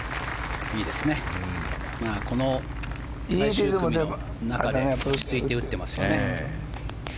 この最終組の中で落ち着いて打っていますよね。